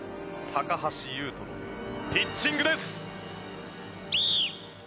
橋優斗のピッチングです！